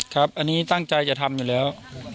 ครับอันนี้ตั้งใจจะทำอยู่แล้ว